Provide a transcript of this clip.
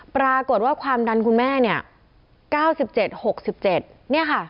ปรากฏว่าความดันคุณแม่เนี้ยเก้าสิบเจ็ดหกสิบเจ็ดเนี้ยค่ะ